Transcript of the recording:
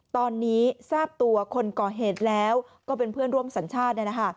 ตอนนี้ทราบตัวคนก่อเหตุแล้วก็เป็นเพื่อนร่วมสัญชาติ